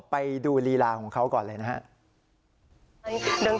ไปดูลีลาของเขาก่อนเลยนะครับ